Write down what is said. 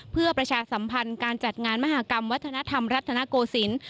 เพื่อประชาสัมพันธ์การจัดงานมหากรรมวัฒนธรรมรัฐนโกศิลป์